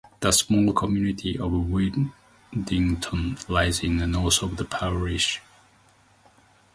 The small community of Widdington lies in the north of the parish.